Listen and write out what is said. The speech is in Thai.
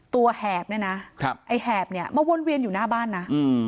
แหบเนี่ยนะไอ้แหบเนี่ยมาวนเวียนอยู่หน้าบ้านนะ